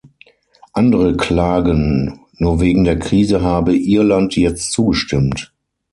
Andere klagen, nur wegen der Krise habe Irland jetzt zugestimmt.